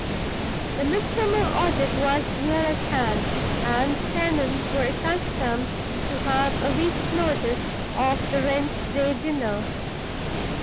The Midsummer Audit was near at hand; and the tenants were accustomed to have a week's notice of the rent day dinner.